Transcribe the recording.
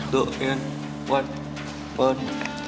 do ian buat bon